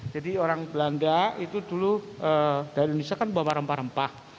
orang belanda itu dulu dari indonesia kan bawa rempah rempah